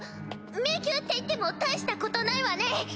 迷宮っていっても大したことないわね！